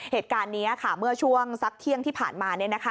เหตุการณ์นี้ค่ะเมื่อช่วงสักเที่ยงที่ผ่านมา